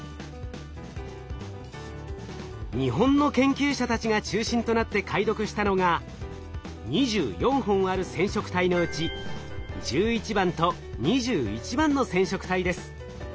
日本の研究者たちが中心となって解読したのが２４本ある染色体のうち１１番と２１番の染色体です。